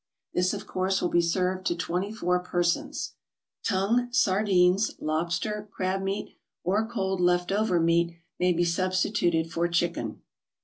This, of course, will be served to twenty four persons. Tongue, sardines, lobster, crab meat or cold left over meat may be substituted for chicken.